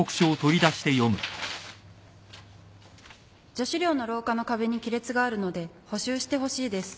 「女子寮の廊下の壁に亀裂があるので補修してほしいです」